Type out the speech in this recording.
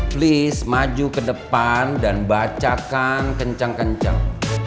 please maju ke depan dan bacakan kencang kencang